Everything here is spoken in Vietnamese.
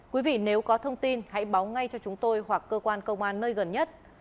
quý vị nếu có thông tin hãy báo ngay cho chúng tôi hoặc cơ quan công an nơi gần nhất